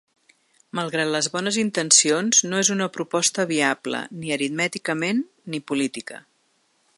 Malgrat les bones intencions, no és una proposta viable, ni aritmèticament ni política.